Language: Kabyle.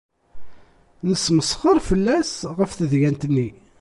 Nesmesxer fell-as ɣef tedyant-nni.